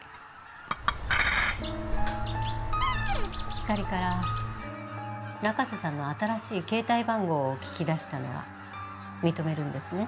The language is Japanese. ひかりから中瀬さんの新しい携帯番号を聞き出したのは認めるんですね？